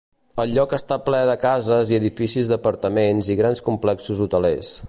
El lloc està ple de cases i edificis d'apartaments i grans complexos hotelers.